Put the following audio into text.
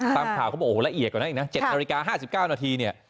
ตามข่าวเขาบอกโอ้โหละเอียดกว่านั้นอีกนะ๗นาฬิกา๕๙นาทีเนี่ย